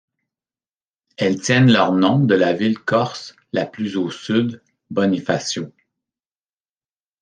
Elles tiennent leur nom de la ville corse la plus au sud, Bonifacio.